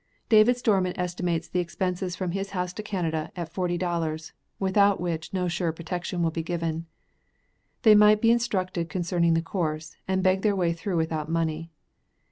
David Stormon estimates the expenses from his house to Canada, at forty dollars, without which, no sure protection will be given. They might be instructed concerning the course, and beg their way through without money.